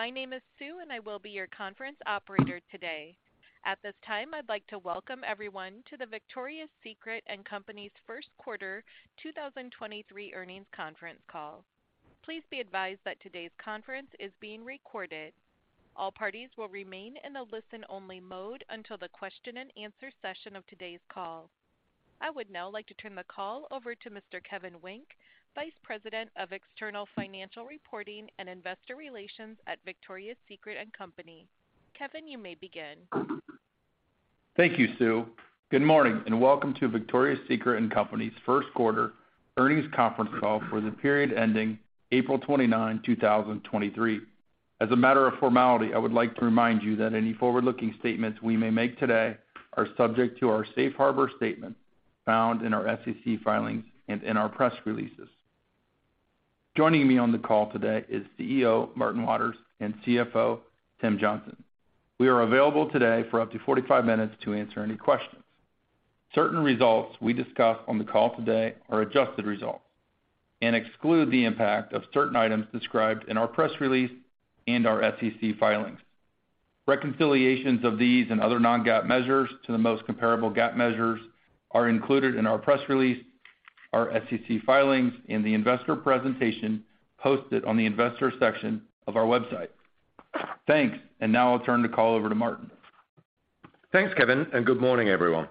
My name is Sue, and I will be your conference operator today. At this time, I'd like to welcome everyone to the Victoria's Secret & Co.'s First Quarter 2023 Earnings Conference Call. Please be advised that today's conference is being recorded. All parties will remain in a listen-only mode until the question and answer session of today's call. I would now like to turn the call over to Mr. Kevin Wynk, Vice President of External Financial Reporting and Investor Relations at Victoria's Secret & Co. Kevin, you may begin. Thank you, Sue. Good morning, and welcome to Victoria's Secret & Co.'s first quarter earnings conference call for the period ending April 29, 2023. As a matter of formality, I would like to remind you that any forward-looking statements we may make today are subject to our safe harbor statement found in our SEC filings and in our press releases. Joining me on the call today is CEO Martin Waters and CFO Tim Johnson. We are available today for up to 45 minutes to answer any questions. Certain results we discuss on the call today are adjusted results and exclude the impact of certain items described in our press release and our SEC filings. Reconciliations of these and other non-GAAP measures to the most comparable GAAP measures are included in our press release, our SEC filings, and the investor presentation posted on the investor section of our website. Thanks, now I'll turn the call over to Martin. Thanks, Kevin. Good morning, everyone.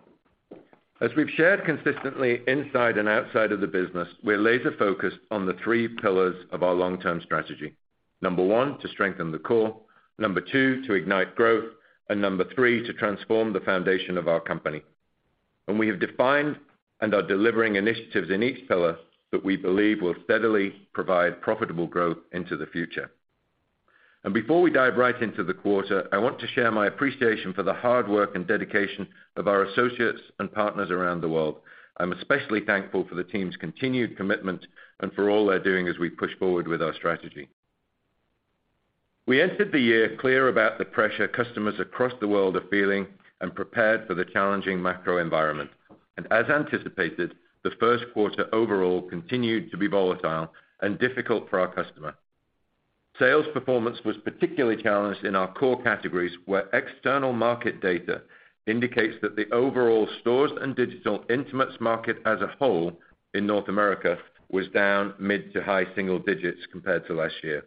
As we've shared consistently inside and outside of the business, we're laser-focused on the three pillars of our long-term strategy. Number 1, to strengthen the core, Number 2, to ignite growth, and Number 3, to Transform the Foundation of our company. We have defined and are delivering initiatives in each pillar that we believe will steadily provide profitable growth into the future. Before we dive right into the quarter, I want to share my appreciation for the hard work and dedication of our associates and partners around the world. I'm especially thankful for the team's continued commitment and for all they're doing as we push forward with our strategy. We entered the year clear about the pressure customers across the world are feeling and prepared for the challenging macro environment. As anticipated, the first quarter overall continued to be volatile and difficult for our customer. Sales performance was particularly challenged in our core categories, where external market data indicates that the overall stores and digital intimates market as a whole in North America was down mid to high single digits compared to last year.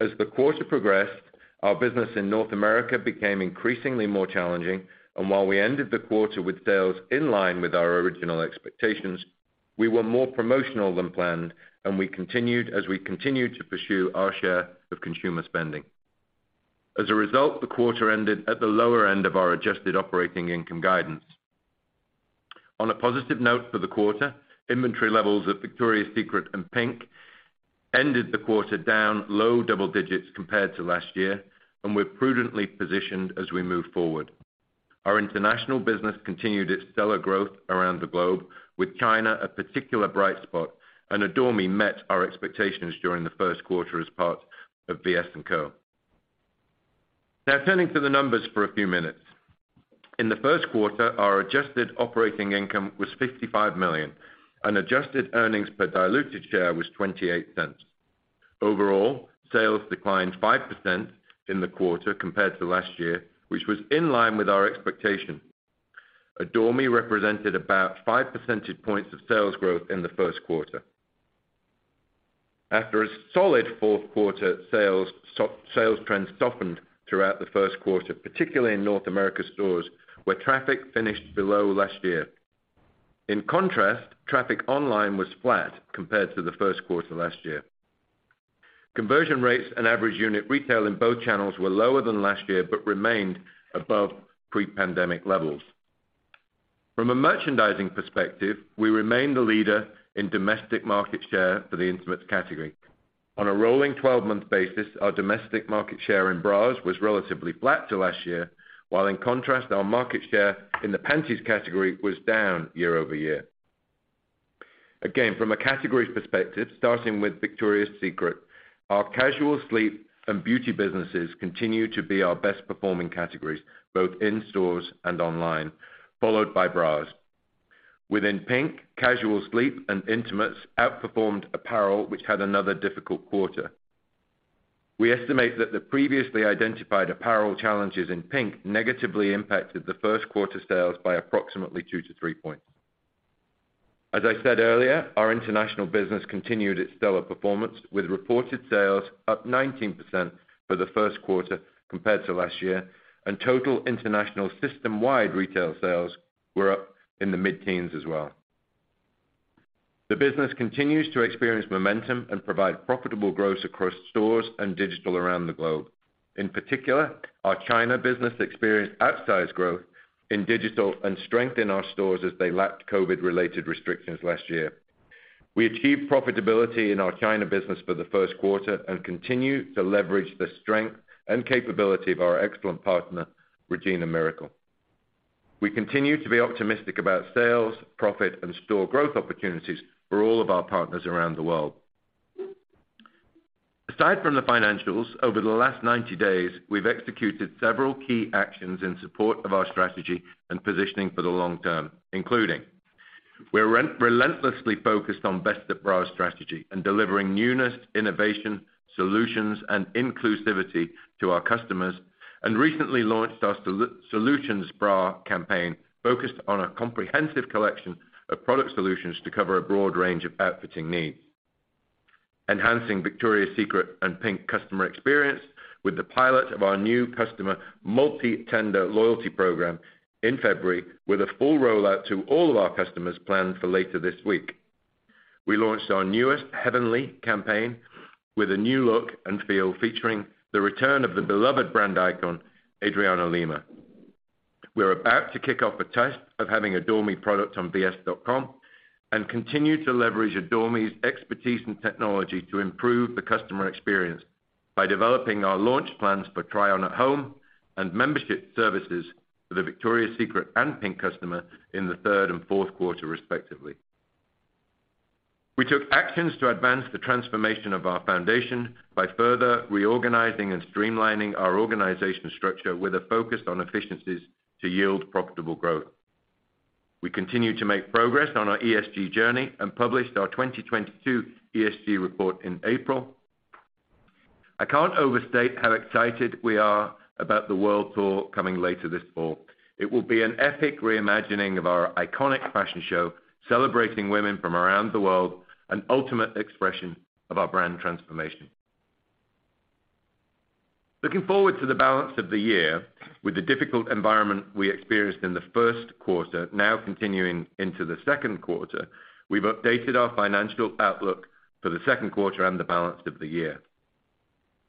As the quarter progressed, our business in North America became increasingly more challenging, and while we ended the quarter with sales in line with our original expectations, we were more promotional than planned, and we continue to pursue our share of consumer spending. As a result, the quarter ended at the lower end of our adjusted operating income guidance. On a positive note for the quarter, inventory levels at Victoria's Secret and PINK ended the quarter down low double digits compared to last year, and we're prudently positioned as we move forward. Our international business continued its stellar growth around the globe, with China a particular bright spot. Adore Me met our expectations during the first quarter as part of Victoria's Secret & Co.. Turning to the numbers for a few minutes. In the first quarter, our adjusted operating income was $55 million, and adjusted earnings per diluted share was $0.28. Overall, sales declined 5% in the quarter compared to last year, which was in line with our expectation. Adore Me represented about 5 percentage points of sales growth in the first quarter. After a solid fourth quarter, sales trends softened throughout the first quarter, particularly in North America stores, where traffic finished below last year. In contrast, traffic online was flat compared to the first quarter last year. Conversion rates and average unit retail in both channels were lower than last year, but remained above pre-pandemic levels. From a merchandising perspective, we remain the leader in domestic market share for the intimates category. On a rolling 12-month basis, our domestic market share in bras was relatively flat to last year, while in contrast, our market share in the panties category was down year-over-year. Again, from a categories perspective, starting with Victoria's Secret, our casual sleep and beauty businesses continue to be our best performing categories, both in stores and online, followed by bras. Within PINK, casual sleep and intimates outperformed apparel, which had another difficult quarter. We estimate that the previously identified apparel challenges in PINK negatively impacted the first quarter sales by approximately 2-3 points. As I said earlier, our international business continued its stellar performance, with reported sales up 19% for the first quarter compared to last year, and total international system-wide retail sales were up in the mid-teens as well. The business continues to experience momentum and provide profitable growth across stores and digital around the globe. In particular, our China business experienced outsized growth in digital and strength in our stores as they lapped COVID-related restrictions last year. We achieved profitability in our China business for the first quarter and continue to leverage the strength and capability of our excellent partner, Regina Miracle. We continue to be optimistic about sales, profit and store growth opportunities for all of our partners around the world. Aside from the financials, over the last 90 days, we've executed several key actions in support of our strategy and positioning for the long term, including:... We're relentlessly focused on Best of Bra strategy and delivering newness, innovation, solutions, and inclusivity to our customers, and recently launched our Solutions Bra campaign, focused on a comprehensive collection of product solutions to cover a broad range of outfitting needs. Enhancing Victoria's Secret and PINK customer experience with the pilot of our new customer multi-tender loyalty program in February, with a full rollout to all of our customers planned for later this week. We launched our newest Heavenly campaign with a new look and feel, featuring the return of the beloved brand icon, Adriana Lima. We're about to kick off a test of having Adore Me products on vs.com and continue to leverage Adore Me's expertise and technology to improve the customer experience by developing our launch plans for try on at home and membership services for the Victoria's Secret and PINK customer in the third and fourth quarter, respectively. We took actions to advance the transformation of our foundation by further reorganizing and streamlining our organizational structure with a focus on efficiencies to yield profitable growth. We continue to make progress on our ESG journey and published our 2022 ESG report in April. I can't overstate how excited we are about the World Tour coming later this fall. It will be an epic reimagining of our iconic fashion show, celebrating women from around the world, an ultimate expression of our brand transformation. Looking forward to the balance of the year, with the difficult environment we experienced in the first quarter, now continuing into the second quarter, we've updated our financial outlook for the second quarter and the balance of the year.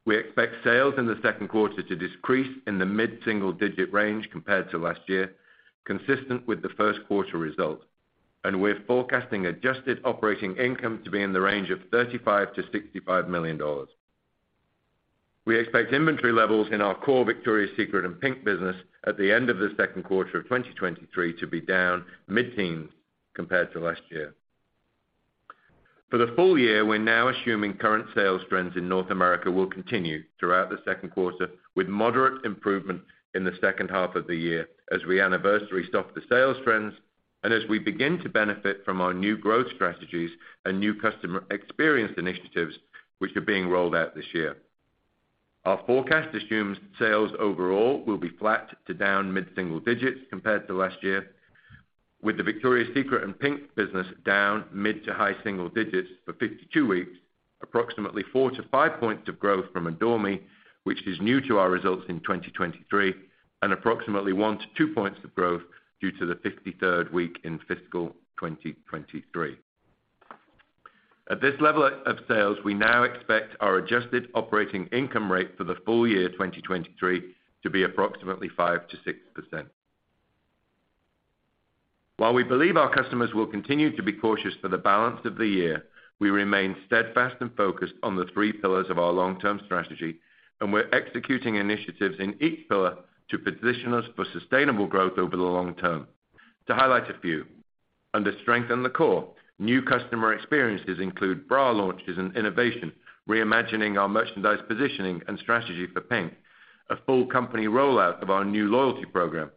We expect sales in the second quarter to decrease in the mid-single digit range compared to last year, consistent with the first quarter results. We're forecasting adjusted operating income to be in the range of $35 million-$65 million. We expect inventory levels in our core Victoria's Secret and PINK business at the end of the second quarter of 2023 to be down mid-teens compared to last year. For the full year, we're now assuming current sales trends in North America will continue throughout the second quarter, with moderate improvement in the second half of the year as we anniversary stop the sales trends and as we begin to benefit from our new growth strategies and new customer experience initiatives, which are being rolled out this year. Our forecast assumes sales overall will be flat to down mid-single digits compared to last year, with the Victoria's Secret and PINK business down mid to high single digits for 52 weeks, approximately 4 to 5 points of growth from Adore Me, which is new to our results in 2023, and approximately 1 to 2 points of growth due to the 53rd week in fiscal 2023. At this level of sales, we now expect our adjusted operating income rate for the full year 2023 to be approximately 5%-6%. While we believe our customers will continue to be cautious for the balance of the year, we remain steadfast and focused on the three pillars of our long-term strategy. We're executing initiatives in each pillar to position us for sustainable growth over the long term. To highlight a few: under strengthen the core, new customer experiences include bra launches and innovation, reimagining our merchandise positioning and strategy for PINK, a full company rollout of our new loyalty program,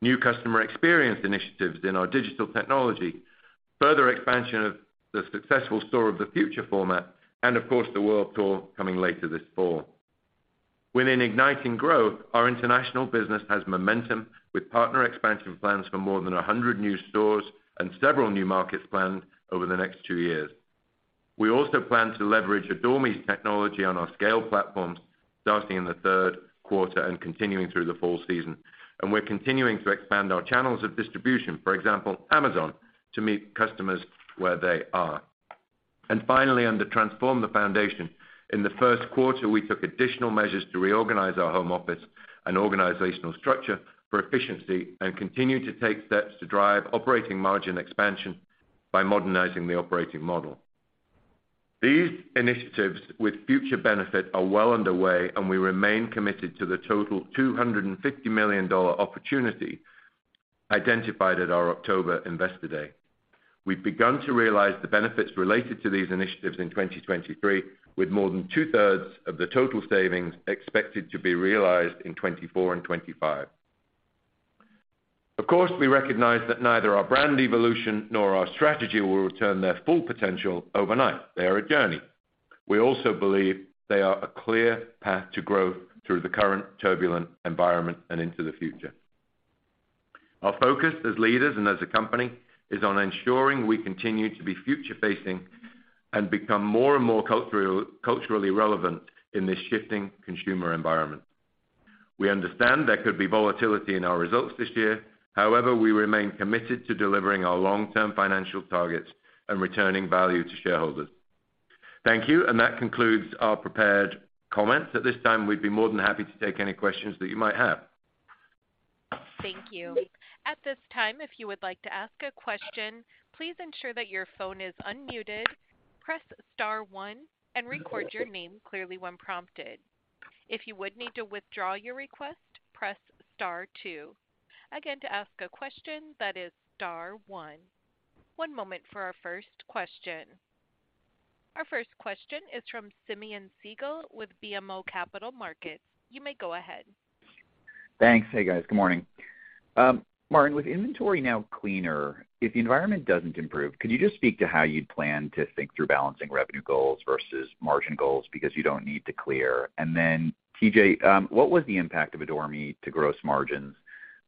new customer experience initiatives in our digital technology, further expansion of the successful Store of the Future format, and of course, the world tour coming later this fall. Within igniting growth, our international business has momentum, with partner expansion plans for more than 100 new stores and several new markets planned over the next 2 years. We also plan to leverage Adore Me's technology on our scale platforms, starting in the 3rd quarter and continuing through the fall season. We're continuing to expand our channels of distribution, for example, Amazon, to meet customers where they are. Finally, under Transform the Foundation, in the 1st quarter, we took additional measures to reorganize our home office and organizational structure for efficiency and continue to take steps to drive operating margin expansion by modernizing the operating model. These initiatives with future benefit are well underway, and we remain committed to the total $250 million opportunity identified at our October Investor Day. We've begun to realize the benefits related to these initiatives in 2023, with more than two-thirds of the total savings expected to be realized in 2024 and 2025. Of course, we recognize that neither our brand evolution nor our strategy will return their full potential overnight. They are a journey. We also believe they are a clear path to growth through the current turbulent environment and into the future. Our focus as leaders and as a company is on ensuring we continue to be future-facing and become more and more culturally relevant in this shifting consumer environment. We understand there could be volatility in our results this year. However, we remain committed to delivering our long-term financial targets and returning value to shareholders. Thank you, and that concludes our prepared comments. At this time, we'd be more than happy to take any questions that you might have. Thank you. At this time, if you would like to ask a question, please ensure that your phone is unmuted, press * one, and record your name clearly when prompted. If you would need to withdraw your request, press * two. Again, to ask a question, that is * one. One moment for our first question. Our first question is from Simeon Siegel with BMO Capital Markets. You may go ahead. Thanks. Hey, guys. Good morning. Martin, with inventory now cleaner, if the environment doesn't improve, could you just speak to how you'd plan to think through balancing revenue goals versus margin goals because you don't need to clear? TJ, what was the impact of Adore Me to gross margins?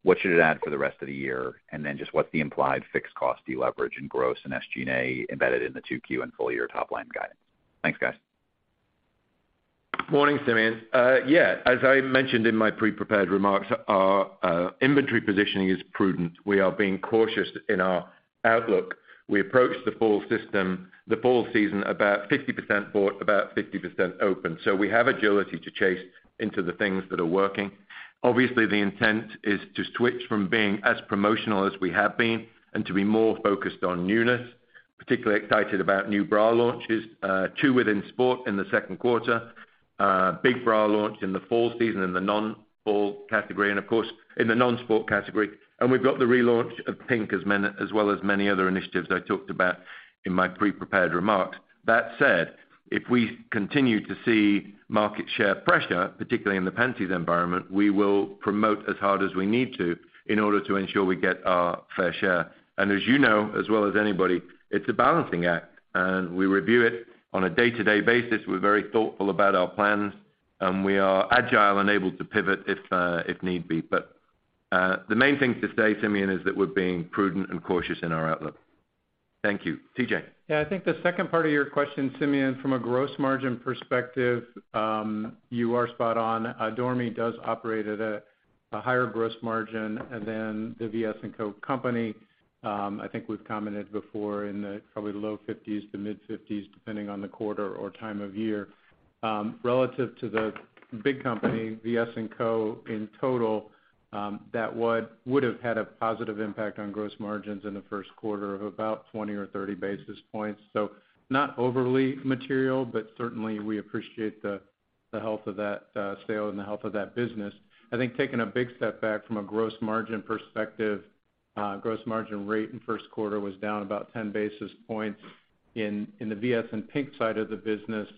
What should it add for the rest of the year? Just what's the implied fixed cost deleverage and gross and SG&A embedded in the 2Q and full-year top-line guidance? Thanks, guys. Morning, Simeon. Yeah, as I mentioned in my pre-prepared remarks, our inventory positioning is prudent. We are being cautious in our outlook. We approach the fall system, the fall season about 50% bought, about 50% open, so we have agility to chase into the things that are working. Obviously, the intent is to switch from being as promotional as we have been and to be more focused on newness, particularly excited about new bra launches, 2 within sport in the second quarter, big bra launch in the fall season in the non-fall category, and of course, in the non-sport category. We've got the relaunch of PINK as well as many other initiatives I talked about in my pre-prepared remarks. That said, if we continue to see market share pressure, particularly in the panties environment, we will promote as hard as we need to in order to ensure we get our fair share. As you know, as well as anybody, it's a balancing act, and we review it on a day-to-day basis. We're very thoughtful about our plans, and we are agile and able to pivot if need be. The main thing to say, Simeon, is that we're being prudent and cautious in our outlook. Thank you. TJ? I think the second part of your question, Simeon, from a gross margin perspective, you are spot on. Adore Me does operate at a higher gross margin than the Victoria's Secret & Co. company. I think we've commented before in the, probably the low 50s to mid-50s, depending on the quarter or time of year. Relative to the big company, Victoria's Secret & Co. in total, that would have had a positive impact on gross margins in the first quarter of about 20 or 30 basis points. Not overly material, but certainly we appreciate the health of that sale and the health of that business. I think taking a big step back from a gross margin perspective, gross margin rate in first quarter was down about 10 basis points in the VS and PINK side of the business,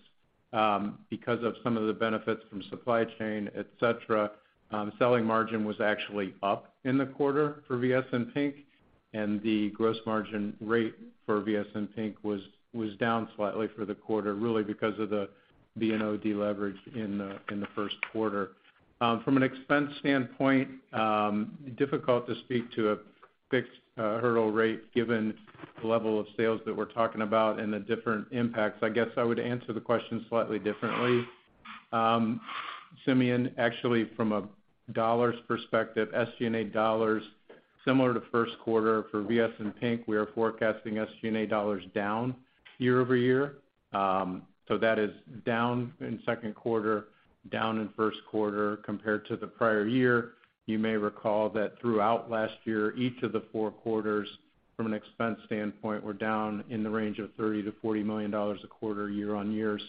because of some of the benefits from supply chain, et cetera. Selling margin was actually up in the quarter for VS and PINK, the gross margin rate for VS and PINK was down slightly for the quarter, really because of the B&O deleverage in the first quarter. From an expense standpoint, difficult to speak to a fixed hurdle rate, given the level of sales that we're talking about and the different impacts. I guess I would answer the question slightly differently. Simeon, actually, from a dollars perspective, SG&A dollars, similar to first quarter for VS and PINK, we are forecasting SG&A dollars down year-over-year. That is down in second quarter, down in first quarter compared to the prior year. You may recall that throughout last year, each of the four quarters, from an expense standpoint, were down in the range of $30 million-$40 million a quarter, year-on-year.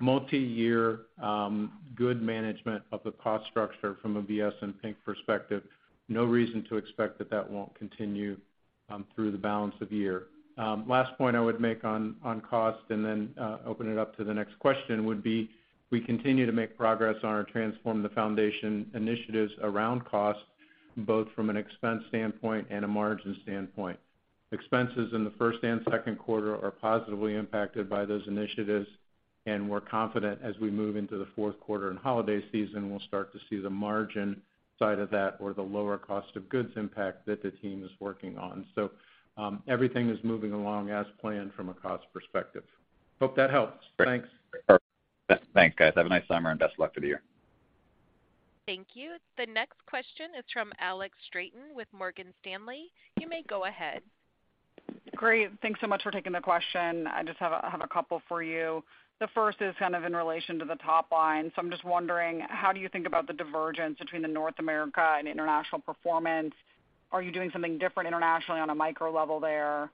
Multiyear, good management of the cost structure from a VS and PINK perspective. No reason to expect that that won't continue through the balance of the year. Last point I would make on cost, and then open it up to the next question, would be: we continue to make progress on our Transform the Foundation initiatives around cost, both from an expense standpoint and a margin standpoint. Expenses in the first and second quarter are positively impacted by those initiatives. We're confident as we move into the fourth quarter and holiday season, we'll start to see the margin side of that or the lower cost of goods impact that the team is working on. Everything is moving along as planned from a cost perspective. Hope that helps. Thanks. Perfect. Thanks, guys. Have a nice summer, and best luck to you. Thank you. The next question is from Alex Straton with Morgan Stanley. You may go ahead. Great. Thanks so much for taking the question. I just have a, have a couple for you. The first is kind of in relation to the top line. I'm just wondering, how do you think about the divergence between the North America and international performance? Are you doing something different internationally on a micro level there,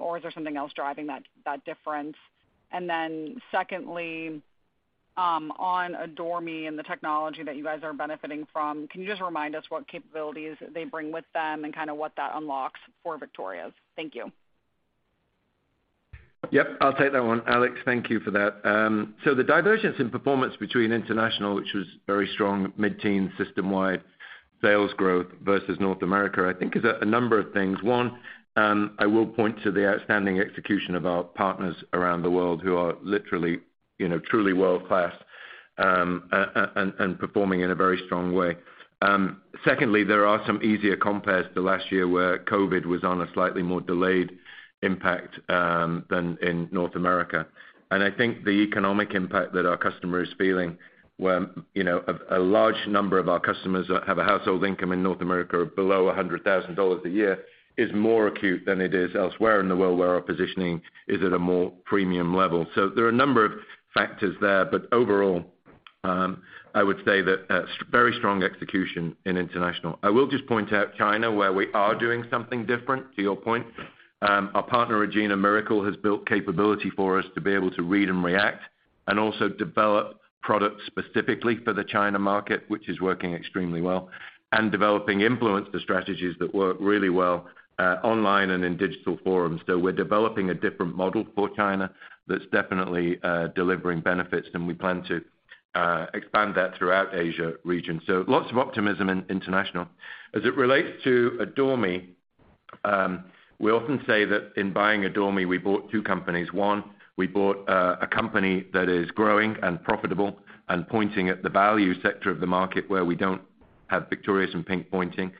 or is there something else driving that difference? Then secondly, on Adore Me and the technology that you guys are benefiting from, can you just remind us what capabilities they bring with them and kind of what that unlocks for Victoria's Secret? Thank you. Yep, I'll take that one. Alex, thank you for that. So the divergence in performance between international, which was very strong, mid-teen system-wide sales growth, versus North America, I think is a number of things. One, I will point to the outstanding execution of our partners around the world who are literally, you know, truly world-class, and performing in a very strong way. Secondly, there are some easier compares to last year, where COVID was on a slightly more delayed impact than in North America. I think the economic impact that our customer is feeling, where, you know, a large number of our customers that have a household income in North America below $100,000 a year is more acute than it is elsewhere in the world, where our positioning is at a more premium level. There are a number of factors there, but overall, I would say that very strong execution in international. I will just point out China, where we are doing something different, to your point. Our partner, Regina Miracle, has built capability for us to be able to read and react and also develop products specifically for the China market, which is working extremely well, and developing influencer strategies that work really well online and in digital forums. We're developing a different model for China that's definitely delivering benefits, and we plan to expand that throughout Asia region. Lots of optimism in international. As it relates to Adore Me, we often say that in buying Adore Me, we bought two companies. One, we bought a company that is growing and profitable and pointing at the value sector of the market where we don't have Victoria's Secret and PINK pointing.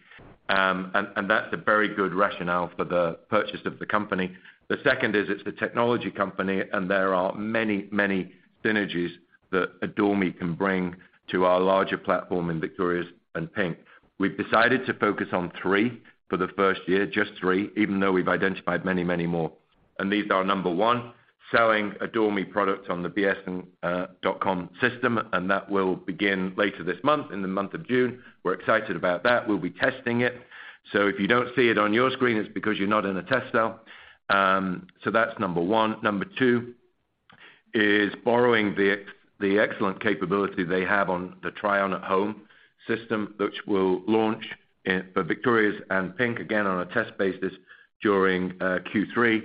That's a very good rationale for the purchase of the company. The second is it's a technology company, and there are many, many synergies that Adore Me can bring to our larger platform in Victoria's Secret and PINK. We've decided to focus on three for the first year, just three, even though we've identified many, many more. These are, number one, selling Adore Me products on the vs.com system, and that will begin later this month, in the month of June. We're excited about that. We'll be testing it. If you don't see it on your screen, it's because you're not in a test cell. That's number one. Number two is borrowing the excellent capability they have on the try-on-at-home system, which will launch in for Victoria's Secret and PINK, again, on a test basis during Q3,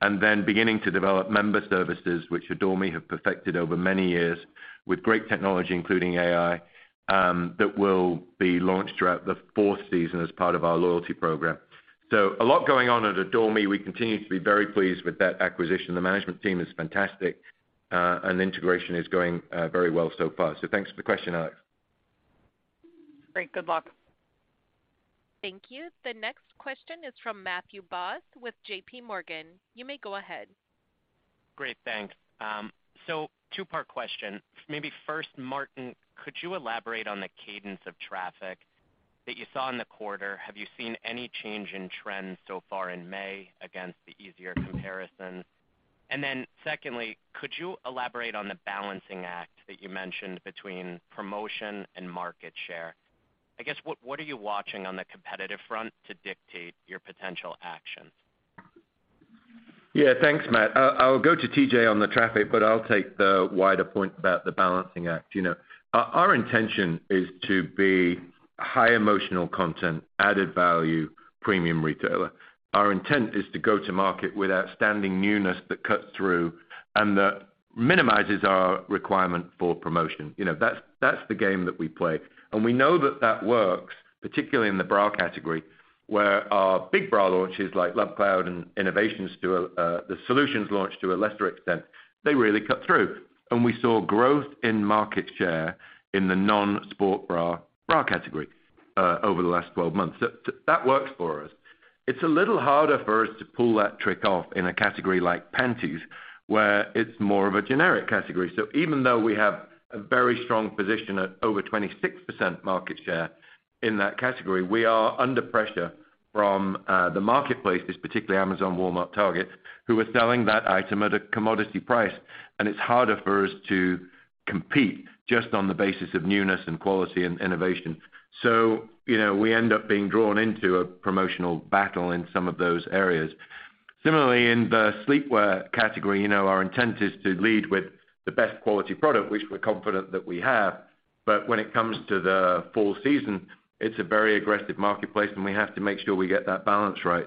and then beginning to develop member services, which Adore Me have perfected over many years with great technology, including AI, that will be launched throughout the fourth season as part of our loyalty program. A lot going on at Adore Me. We continue to be very pleased with that acquisition. The management team is fantastic, and integration is going very well so far. Thanks for the question, Alex. Great. Good luck. Thank you. The next question is from Matthew Boss with JPMorgan. You may go ahead. Great, thanks. Two-part question. Maybe first, Martin, could you elaborate on the cadence of traffic that you saw in the quarter? Have you seen any change in trends so far in May against the easier comparisons? Secondly, could you elaborate on the balancing act that you mentioned between promotion and market share? I guess, what are you watching on the competitive front to dictate your potential actions? Thanks, Matt. I'll go to TJ on the traffic, but I'll take the wider point about the balancing act. You know, our intention is to be a high emotional content, added value, premium retailer. Our intent is to go to market with outstanding newness that cuts through and that minimizes our requirement for promotion. You know, that's the game that we play, and we know that that works, particularly in the bra category, where our big bra launches, like Love Cloud and innovations to the Solutions launch to a lesser extent, they really cut through. We saw growth in market share in the non-sport bra category over the last 12 months. That works for us. It's a little harder for us to pull that trick off in a category like panties, where it's more of a generic category. Even though we have a very strong position at over 26% market share in that category, we are under pressure from the marketplaces, particularly Amazon, Walmart, Target, who are selling that item at a commodity price. It's harder for us to compete just on the basis of newness and quality and innovation. You know, we end up being drawn into a promotional battle in some of those areas. Similarly, in the sleepwear category, you know, our intent is to lead with the best quality product, which we're confident that we have. When it comes to the fall season, it's a very aggressive marketplace, and we have to make sure we get that balance right.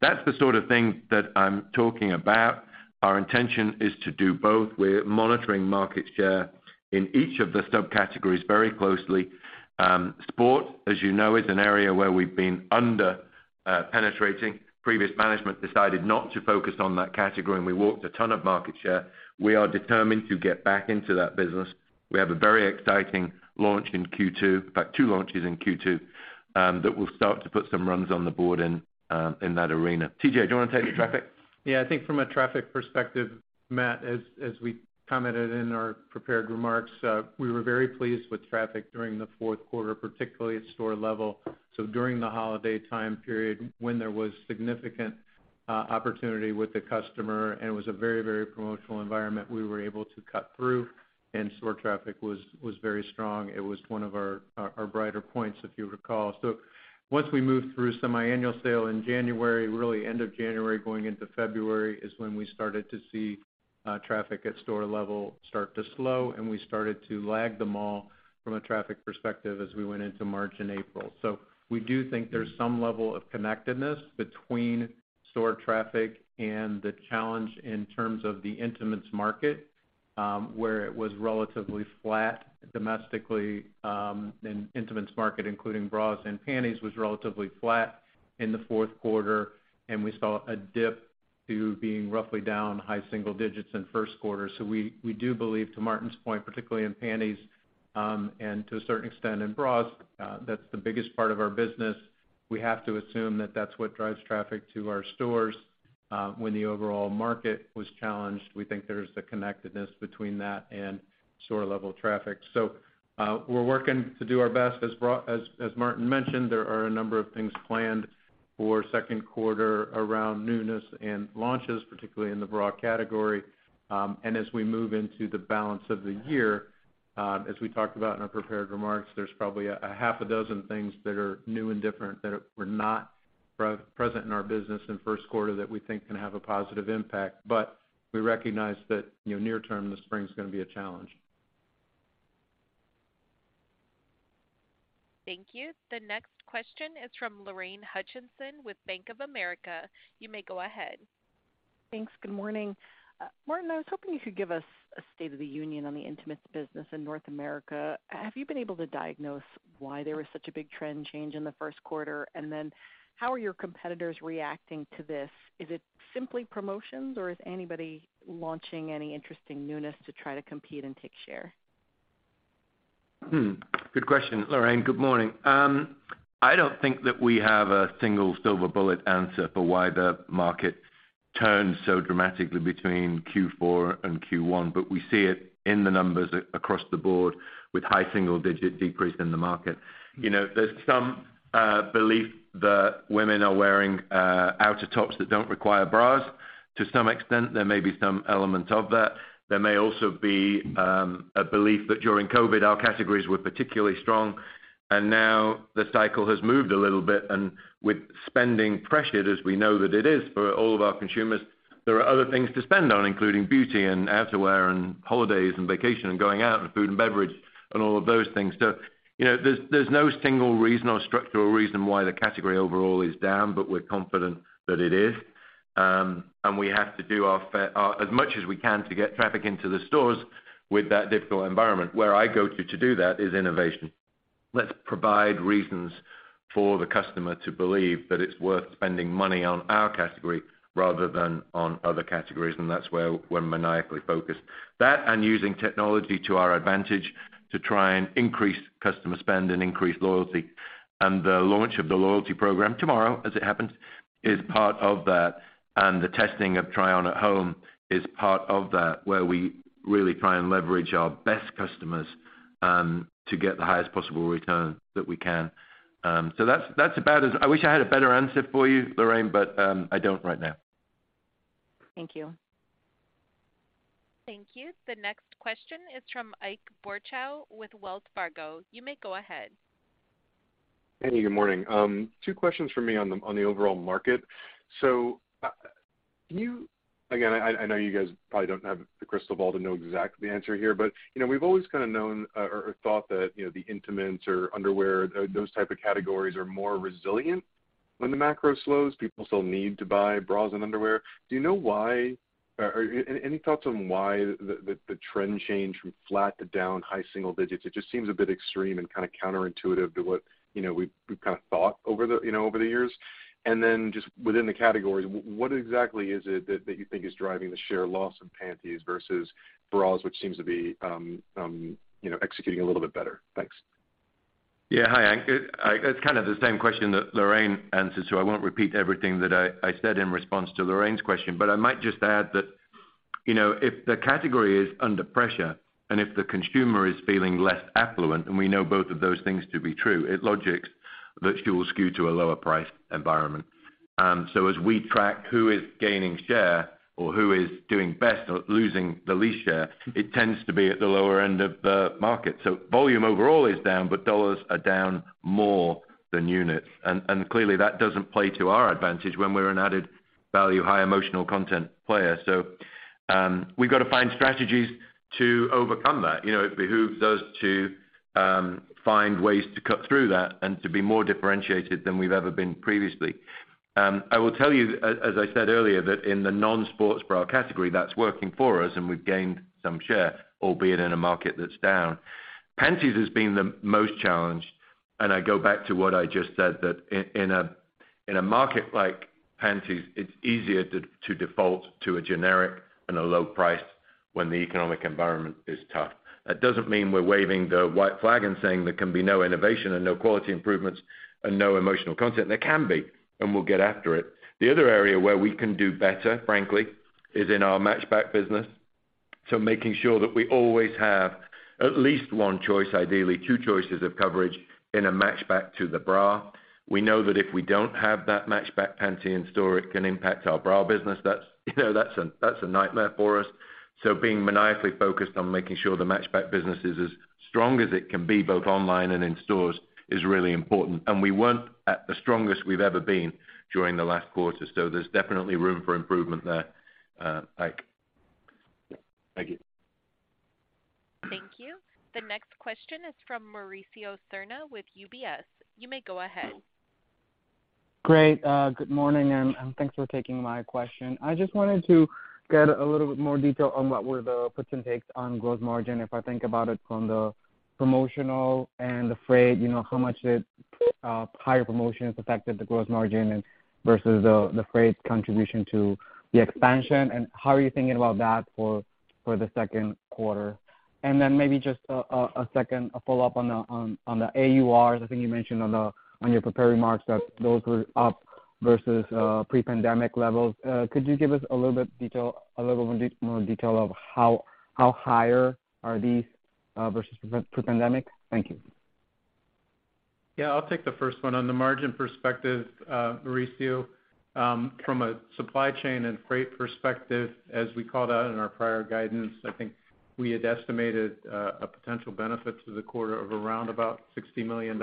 That's the sort of thing that I'm talking about. Our intention is to do both. We're monitoring market share in each of the subcategories very closely. Sport, as you know, is an area where we've been under penetrating. Previous management decided not to focus on that category, and we walked a ton of market share. We are determined to get back into that business. We have a very exciting launch in Q2, in fact, two launches in Q2 that will start to put some runs on the board in that arena. TJ, do you want to take the traffic? I think from a traffic perspective, Matt, as we commented in our prepared remarks, we were very pleased with traffic during the fourth quarter, particularly at store level. During the holiday time period, when there was significant opportunity with the customer, and it was a very, very promotional environment, we were able to cut through, and store traffic was very strong. It was one of our brighter points, if you recall. Once we moved through semiannual sale in January, really end of January, going into February, is when we started to see, traffic at store level start to slow, and we started to lag the mall from a traffic perspective as we went into March and April. We do think there's some level of connectedness between store traffic and the challenge in terms of the intimates market, where it was relatively flat domestically, and intimates market, including bras and panties, was relatively flat in the fourth quarter, and we saw a dip to being roughly down high single digits in first quarter. We do believe, to Martin's point, particularly in panties, and to a certain extent in bras, that's the biggest part of our business. We have to assume that that's what drives traffic to our stores, when the overall market was challenged. We think there's a connectedness between that and store-level traffic. We're working to do our best. As Martin mentioned, there are a number of things planned for second quarter around newness and launches, particularly in the bra category. as we move into the balance of the year... As we talked about in our prepared remarks, there's probably a half a dozen things that are new and different that were not pre-present in our business in first quarter that we think can have a positive impact. We recognize that, you know, near term, the spring is gonna be a challenge. Thank you. The next question is from Lorraine Hutchinson with Bank of America. You may go ahead. Thanks. Good morning. Martin, I was hoping you could give us a state of the union on the intimates business in North America. Have you been able to diagnose why there was such a big trend change in the first quarter? How are your competitors reacting to this? Is it simply promotions, or is anybody launching any interesting newness to try to compete and take share? Good question, Lorraine. Good morning. I don't think that we have a single silver bullet answer for why the market turned so dramatically between Q4 and Q1, but we see it in the numbers across the board with high single-digit decrease in the market. You know, there's some belief that women are wearing outer tops that don't require bras. To some extent, there may be some element of that. There may also be a belief that during COVID, our categories were particularly strong, and now the cycle has moved a little bit, and with spending pressured, as we know that it is for all of our consumers, there are other things to spend on, including beauty and outerwear and holidays and vacation, and going out, and food and beverage, and all of those things. You know, there's no single reason or structural reason why the category overall is down, but we're confident that it is. We have to do as much as we can to get traffic into the stores with that difficult environment. Where I go to do that is innovation. Let's provide reasons for the customer to believe that it's worth spending money on our category rather than on other categories, and that's where we're maniacally focused. That, and using technology to our advantage to try and increase customer spend and increase loyalty. The launch of the loyalty program tomorrow, as it happens, is part of that, and the testing of try on at home is part of that, where we really try and leverage our best customers to get the highest possible return that we can. I wish I had a better answer for you, Lorraine, but I don't right now. Thank you. Thank you. The next question is from Ike Boruchow with Wells Fargo. You may go ahead. Hey, good morning. Two questions from me on the overall market. Again, I know you guys probably don't have the crystal ball to know exactly the answer here, but, you know, we've always kind of known or thought that, you know, the intimates or underwear, those type of categories are more resilient when the macro slows. People still need to buy bras and underwear. Do you know why, or any thoughts on why the trend change from flat to down high single digits? It just seems a bit extreme and kind of counterintuitive to what, you know, we've kind of thought over the, you know, over the years. Just within the categories, what exactly is it that you think is driving the share loss in panties versus bras, which seems to be, you know, executing a little bit better? Thanks. Yeah. Hi, Ike. It's kind of the same question that Lorraine answered, so I won't repeat everything that I said in response to Lorraine's question. I might just add that, you know, if the category is under pressure and if the consumer is feeling less affluent, and we know both of those things to be true, it logics that she will skew to a lower price environment. As we track who is gaining share or who is doing best or losing the least share, it tends to be at the lower end of the market. Volume overall is down, but dollars are down more than units. Clearly, that doesn't play to our advantage when we're an added value, high emotional content player. We've got to find strategies to overcome that. You know, it behooves us to find ways to cut through that and to be more differentiated than we've ever been previously. I will tell you, as I said earlier, that in the non-sports bra category, that's working for us, and we've gained some share, albeit in a market that's down. Panties has been the most challenged, and I go back to what I just said, that in a market like panties, it's easier to default to a generic and a low price when the economic environment is tough. That doesn't mean we're waving the white flag and saying there can be no innovation and no quality improvements and no emotional content. There can be, and we'll get after it. The other area where we can do better, frankly, is in our matchback business. Making sure that we always have at least one choice, ideally two choices of coverage in a matchback to the bra. We know that if we don't have that matchback panty in store, it can impact our bra business. That's, you know, that's a, that's a nightmare for us. Being maniacally focused on making sure the matchback business is as strong as it can be, both online and in stores, is really important. We weren't at the strongest we've ever been during the last quarter, so there's definitely room for improvement there, Ike. Thank you. Thank you. The next question is from Mauricio Serna with UBS. You may go ahead. Great. Good morning, and thanks for taking my question. I just wanted to get a little bit more detail on what were the puts and takes on gross margin, if I think about it from the promotional and the freight, you know, how much did higher promotions affected the gross margin and versus the freight contribution to the expansion, and how are you thinking about that for the second quarter? Maybe just a second, a follow-up on the AURs. I think you mentioned on your prepared remarks that those were up versus pre-pandemic levels. Could you give us a little more detail of how higher are these versus pre-pandemic? Thank you. Yeah, I'll take the first one. On the margin perspective, Mauricio, from a supply chain and freight perspective, as we called out in our prior guidance, I think we had estimated a potential benefit to the quarter of around about $60 million.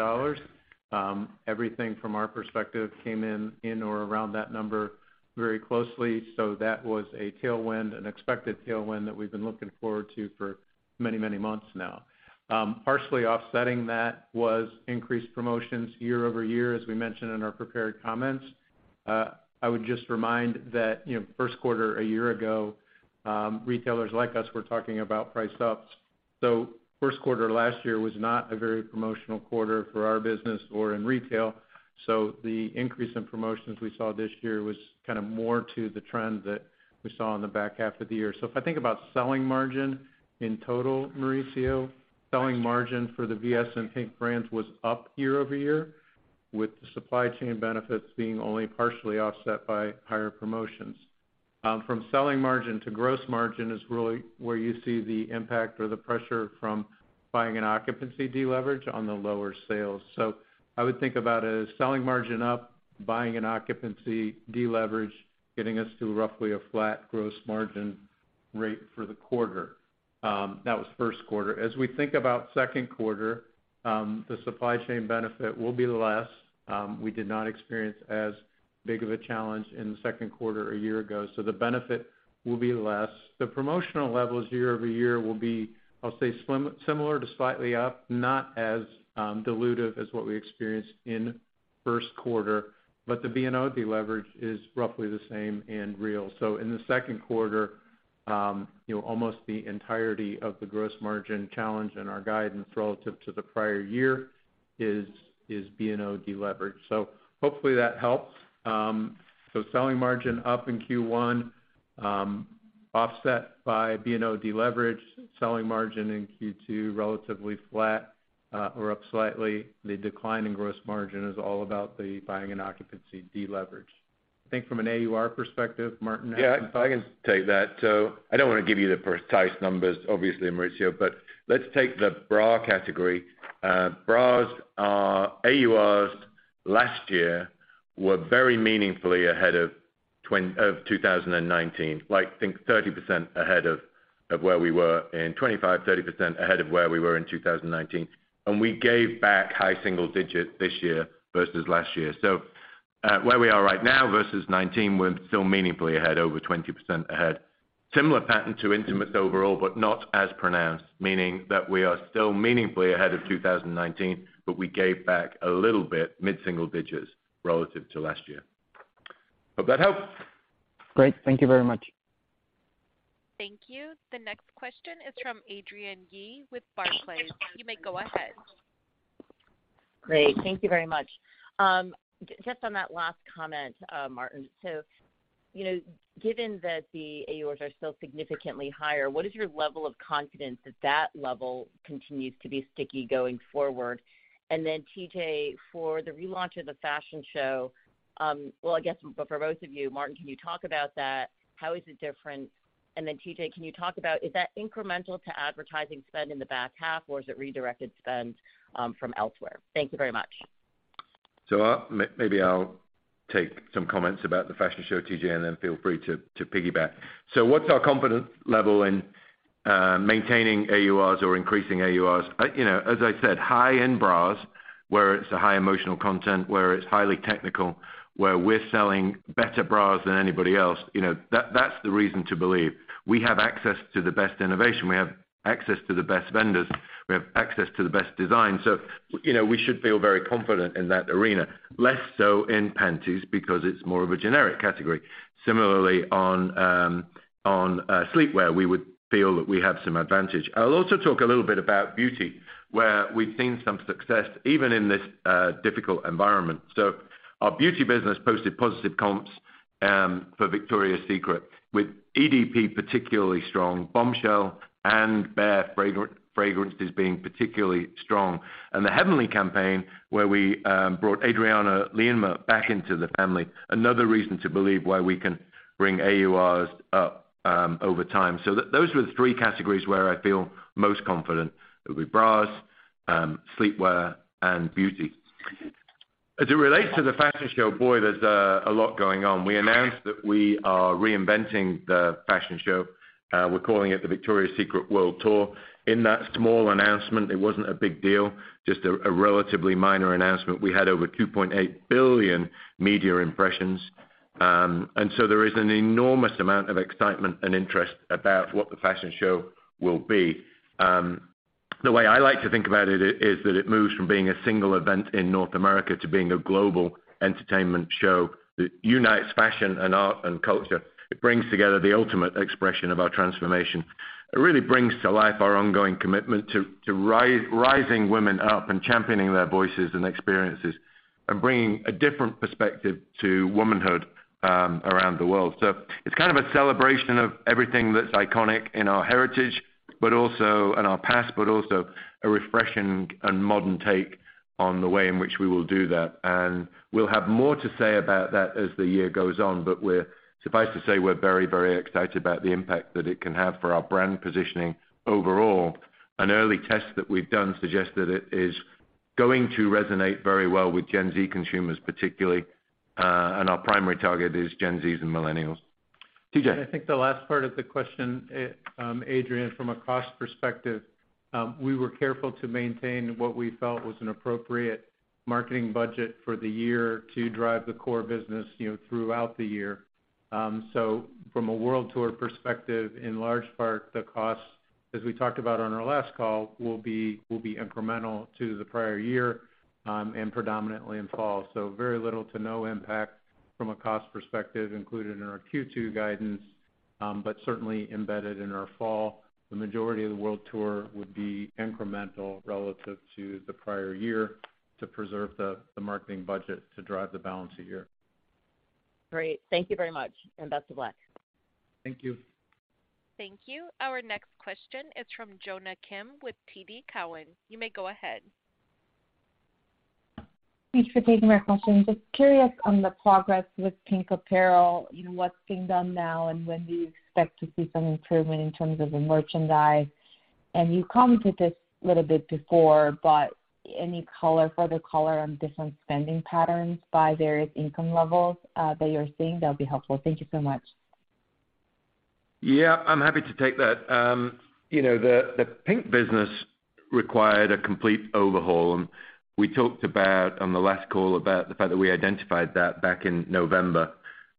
Everything from our perspective came in or around that number very closely, so that was a tailwind, an expected tailwind that we've been looking forward to for many, many months now. Partially offsetting that was increased promotions year-over-year, as we mentioned in our prepared comments. I would just remind that, you know, first quarter, a year ago, retailers like us were talking about price ups. first quarter last year was not a very promotional quarter for our business or in retail, so the increase in promotions we saw this year was kind of more to the trend that we saw in the back half of the year. If I think about selling margin in total, Mauricio, selling margin for the VS and PINK brands was up year-over-year, with the supply chain benefits being only partially offset by higher promotions. From selling margin to gross margin is really where you see the impact or the pressure from buying and occupancy deleverage on the lower sales. I would think about a selling margin up, buying and occupancy deleverage, getting us to roughly a flat gross margin rate for the quarter. That was first quarter. As we think about second quarter, the supply chain benefit will be less. We did not experience as big of a challenge in the second quarter a year ago, so the benefit will be less. The promotional levels year-over-year will be, I'll say, similar to slightly up, not as dilutive as what we experienced in first quarter, but the B&O deleverage is roughly the same and real. In the second quarter, you know, almost the entirety of the gross margin challenge and our guidance relative to the prior year is B&O deleverage. Hopefully that helps. Selling margin up in Q1, offset by B&O deleverage. Selling margin in Q2, relatively flat, or up slightly. The decline in gross margin is all about the buying and occupancy deleverage. I think from an AUR perspective, Martin- I don't wanna give you the precise numbers, obviously, Mauricio, but let's take the bra category. bras are, AURs last year were very meaningfully ahead of 2019, like, think 30% ahead of where we were, and 25%-30% ahead of where we were in 2019. We gave back high single digits this year versus last year. Where we are right now versus 2019, we're still meaningfully ahead, over 20% ahead. Similar pattern to Intimates overall, but not as pronounced, meaning that we are still meaningfully ahead of 2019, but we gave back a little bit, mid-single digits, relative to last year. Hope that helps! Great. Thank you very much. Thank you. The next question is from Adrienne Yih with Barclays. You may go ahead. Great, thank you very much. Just on that last comment, Martin, so, you know, given that the AURs are still significantly higher, what is your level of confidence that that level continues to be sticky going forward? TJ, for the relaunch of the fashion show, well, I guess but for both of you, Martin, can you talk about that? How is it different? TJ, can you talk about is that incremental to advertising spend in the back half, or is it redirected spend from elsewhere? Thank you very much. I'll take some comments about the fashion show, TJ, and then feel free to piggyback. What's our confidence level in maintaining AURs or increasing AURs? You know, as I said, high-end bras, where it's a high emotional content, where it's highly technical, where we're selling better bras than anybody else, you know, that's the reason to believe. We have access to the best innovation. We have access to the best vendors. We have access to the best design. You know, we should feel very confident in that arena. Less so in panties, because it's more of a generic category. Similarly, on sleepwear, we would feel that we have some advantage. I'll also talk a little bit about beauty, where we've seen some success, even in this difficult environment. Our beauty business posted positive comps for Victoria's Secret, with EDP particularly strong, Bombshell and Bare fragrances being particularly strong. The Heavenly campaign, where we brought Adriana Lima back into the family, another reason to believe why we can bring AURs up over time. Those are the three categories where I feel most confident. It'll be bras, sleepwear, and beauty. As it relates to the fashion show, boy, there's a lot going on. We announced that we are reinventing the fashion show. We're calling it the Victoria's Secret World Tour. In that small announcement, it wasn't a big deal, just a relatively minor announcement. We had over 2.8 billion media impressions, there is an enormous amount of excitement and interest about what the fashion show will be. The way I like to think about it is that it moves from being a single event in North America to being a global entertainment show that unites fashion and art and culture. It brings together the ultimate expression of our transformation. It really brings to life our ongoing commitment to rising women up and championing their voices and experiences, and bringing a different perspective to womanhood around the world. It's kind of a celebration of everything that's iconic in our heritage, in our past, but also a refreshing and modern take on the way in which we will do that. We'll have more to say about that as the year goes on, but suffice to say, we're very excited about the impact that it can have for our brand positioning overall. An early test that we've done suggests that it is going to resonate very well with Gen Z consumers, particularly, and our primary target is Gen Zs and millennials. TJ? I think the last part of the question, Adrienne, from a cost perspective, we were careful to maintain what we felt was an appropriate marketing budget for the year to drive the core business, you know, throughout the year. From a Victoria's Secret World Tour perspective, in large part, the costs, as we talked about on our last call, will be incremental to the prior year, and predominantly in fall. Very little to no impact from a cost perspective included in our Q2 guidance, but certainly embedded in our fall. The majority of the Victoria's Secret World Tour would be incremental relative to the prior year to preserve the marketing budget to drive the balance a year. Great. Thank you very much, and best of luck. Thank you. Thank you. Our next question is from Jonna Kim with TD Cowen. You may go ahead. Thanks for taking my question. Just curious on the progress with PINK apparel, you know, what's being done now, and when do you expect to see some improvement in terms of the merchandise? You've commented this a little bit before, but any color for the color on different spending patterns by various income levels, that you're seeing, that'll be helpful. Thank you so much. Yeah, I'm happy to take that. you know, the PINK business required a complete overhaul. We talked about, on the last call, about the fact that we identified that back in November.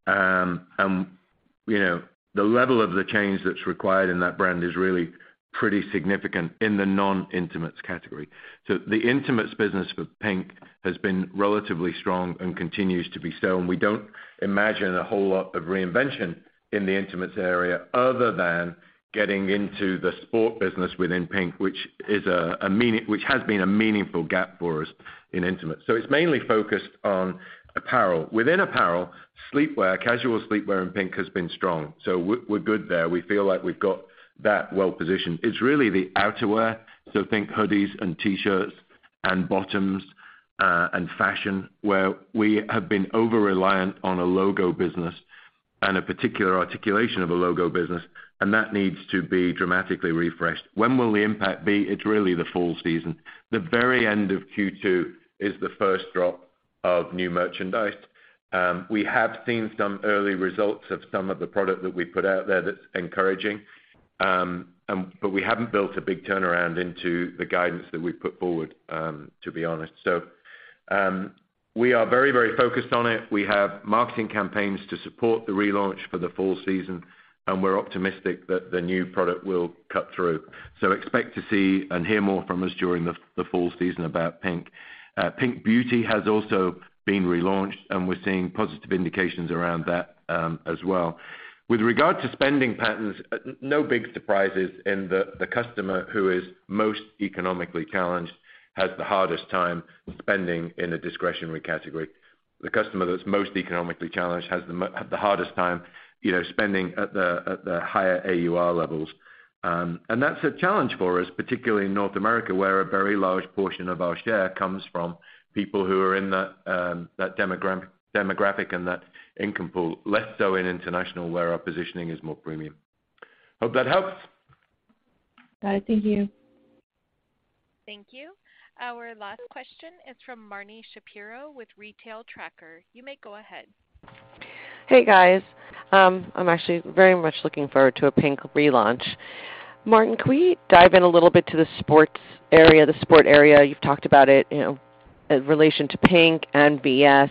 you know, the level of the change that's required in that brand is really pretty significant in the non-intimates category. The intimates business for PINK has been relatively strong and continues to be so. We don't imagine a whole lot of reinvention in the intimates area, other than getting into the sport business within PINK, which has been a meaningful gap for us in intimates. It's mainly focused on apparel. Within apparel, sleepwear, casual sleepwear, and PINK has been strong. We're, we're good there. We feel like we've got that well positioned. It's really the outerwear, so think hoodies and T-shirts and bottoms, and fashion, where we have been over-reliant on a logo business and a particular articulation of a logo business, and that needs to be dramatically refreshed. When will the impact be? It's really the fall season. The very end of Q2 is the first drop of new merchandise. We have seen some early results of some of the product that we put out there that's encouraging. We haven't built a big turnaround into the guidance that we've put forward, to be honest. We are very, very focused on it. We have marketing campaigns to support the relaunch for the fall season, and we're optimistic that the new product will cut through. Expect to see and hear more from us during the fall season about PINK. PINK Beauty has also been relaunched, and we're seeing positive indications around that as well. With regard to spending patterns, no big surprises in the customer who is most economically challenged, has the hardest time spending in a discretionary category. The customer that's most economically challenged has the hardest time, you know, spending at the higher AUR levels. That's a challenge for us, particularly in North America, where a very large portion of our share comes from people who are in that demographic and that income pool, less so in international, where our positioning is more premium. Hope that helps. Got it. Thank you. Thank you. Our last question is from Marni Shapiro with Retail Tracker. You may go ahead. Hey, guys. I'm actually very much looking forward to a PINK relaunch. Martin, can we dive in a little bit to the sports area? The sport area, you've talked about it, you know, in relation to PINK and VS.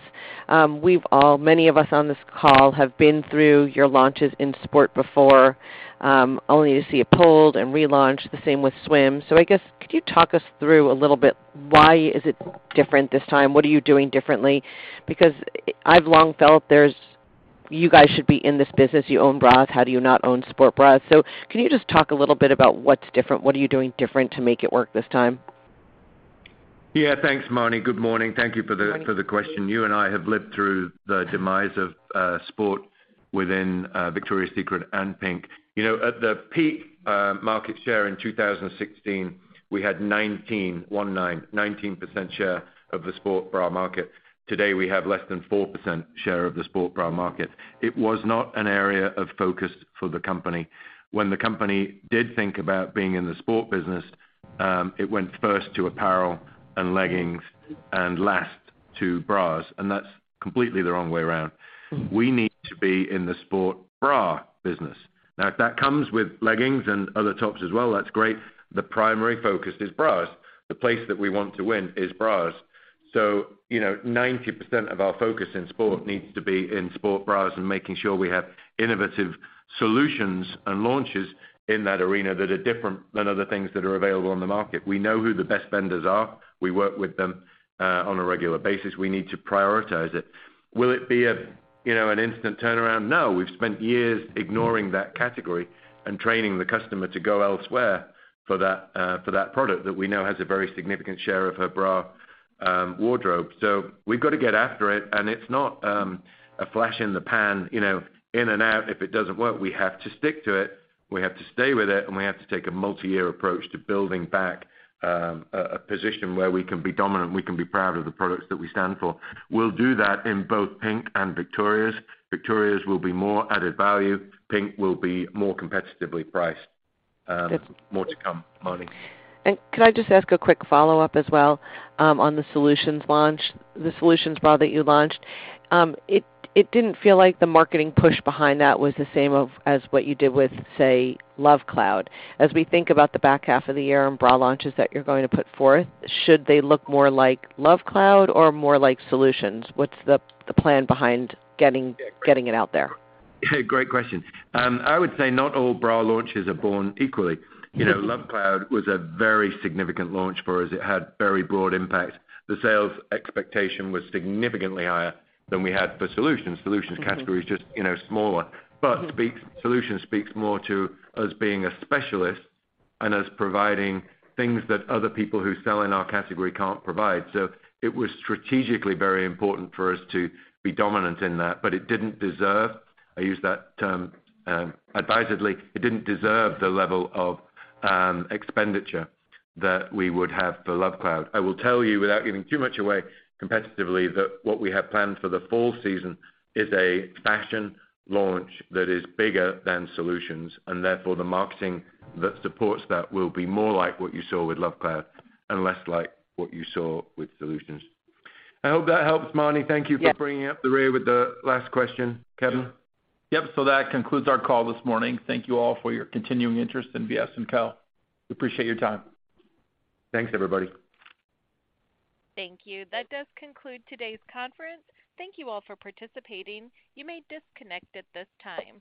We've all, many of us on this call, have been through your launches in sport before, only to see it pulled and relaunched. The same with Swim. I guess, could you talk us through a little bit, why is it different this time? What are you doing differently? Because I've long felt there's... You guys should be in this business. You own bra, how do you not own sport bra? Can you just talk a little bit about what's different? What are you doing different to make it work this time? Yeah. Thanks, Marni. Good morning. Good morning. for the question. You and I have lived through the demise of sport within Victoria's Secret and PINK. You know, at the peak, market share in 2016, we had 19% share of the sport bra market. Today, we have less than 4% share of the sport bra market. It was not an area of focus for the company. When the company did think about being in the sport business, it went first to apparel and leggings and last to bras, and that's completely the wrong way around. We need to be in the sport bra business. Now, if that comes with leggings and other tops as well, that's great. The primary focus is bras. The place that we want to win is bras. you know, 90% of our focus in sport needs to be in sport bras and making sure we have innovative solutions and launches in that arena that are different than other things that are available on the market. We know who the best vendors are. We work with them on a regular basis. We need to prioritize it. Will it be a, you know, an instant turnaround? No. We've spent years ignoring that category and training the customer to go elsewhere for that, for that product that we know has a very significant share of her bra wardrobe. We've got to get after it, and it's not a flash in the pan, you know, in and out if it doesn't work. We have to stick to it, we have to stay with it, and we have to take a multi-year approach to building back a position where we can be dominant, we can be proud of the products that we stand for. We'll do that in both PINK and Victoria's Secret. Victoria's Secret will be more added value. PINK will be more competitively priced. Good. More to come, Marni. Could I just ask a quick follow-up as well on the Solutions Bra that you launched? It didn't feel like the marketing push behind that was the same of, as what you did with, say, Love Cloud. As we think about the back half of the year and bra launches that you're going to put forth, should they look more like Love Cloud or more like Solutions? What's the plan behind getting it out there? Great question. I would say not all bra launches are born equally. You know, Love Cloud was a very significant launch for us. It had very broad impact. The sales expectation was significantly higher than we had for Solutions. Mm-hmm. Solutions category is just, you know, smaller. Mm-hmm. Solutions speaks more to us being a specialist and us providing things that other people who sell in our category can't provide. It was strategically very important for us to be dominant in that, but it didn't deserve, I use that term, advisedly, it didn't deserve the level of expenditure that we would have for Love Cloud. I will tell you, without giving too much away competitively, that what we have planned for the fall season is a fashion launch that is bigger than Solutions, therefore, the marketing that supports that will be more like what you saw with Love Cloud and less like what you saw with Solutions. I hope that helps, Marni. Yeah. Thank you for bringing up the rear with the last question. Kevin? Yep. That concludes our call this morning. Thank you all for your continuing interest in Victoria's Secret & Co.. We appreciate your time. Thanks, everybody. Thank you. That does conclude today's conference. Thank you all for participating. You may disconnect at this time.